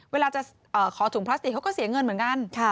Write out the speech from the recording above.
เวลาจะขอถุงพลาสติกเขาก็เสียเงินเหมือนกัน